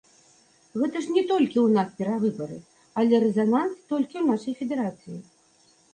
Гэта ж не толькі ў нас перавыбары, але рэзананс толькі ў нашай федэрацыі.